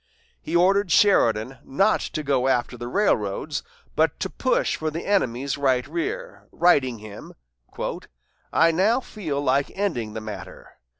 He ordered Sheridan not to go after the railroads, but to push for the enemy's right rear, writing him: "I now feel like ending the matter....